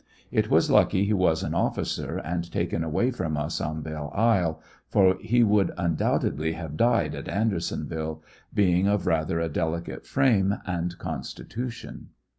It was lucky he was an officer and taken away from us on Belle Isle, for he would undoubtedly have died at Andersonville, being of rather a delicate frame and constitution.